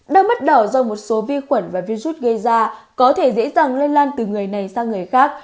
đau mắt đỏ do một số vi khuẩn và virus gây ra có thể dễ dàng lây lan từ người này sang người khác